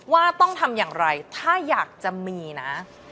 ว่าต้องทำอย่างไรถ้าอยากจะมีนะ